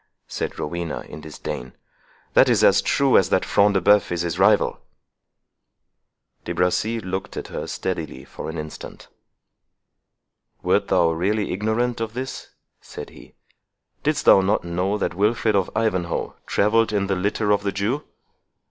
said Rowena, in disdain; "that is as true as that Front de Bœuf is his rival." De Bracy looked at her steadily for an instant. "Wert thou really ignorant of this?" said he; "didst thou not know that Wilfred of Ivanhoe travelled in the litter of the Jew?